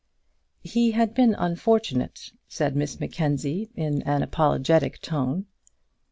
"He had been unfortunate," said Miss Mackenzie, in an apologetic tone.